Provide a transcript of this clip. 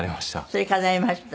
それでかないました？